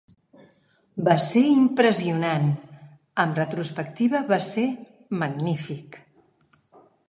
Va ser impressionant; amb retrospectiva, va ser magnífic.